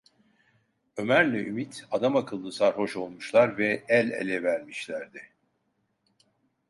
Ömer’le Ümit adamakıllı sarhoş olmuşlar ve el ele vermişlerdi.